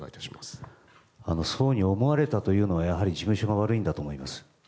そういうふうに思われたというのはやはり事務所が悪いんだと思います。